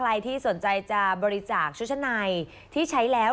ใครที่สนใจจะบริจาคชุดชั้นในที่ใช้แล้ว